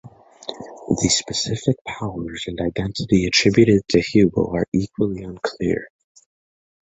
The specific powers and identity attributed to Hubal are equally unclear.